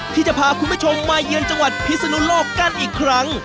ที่จะพาคุณผู้ชมมาเยือนจังหวัดพิศนุโลกกันอีกครั้ง